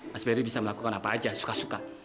mas barry bisa melakukan apa saja suka suka